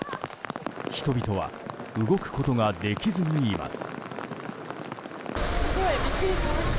人々は動くことができずにいます。